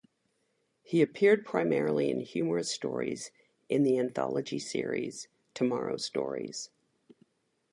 He appeared primarily in humorous stories in the anthology series "Tomorrow Stories".